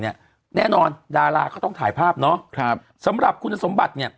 แน่นอนดาราเขาต้องถ่ายภาพเนาะครับสำหรับคุณสมบัติเนี่ย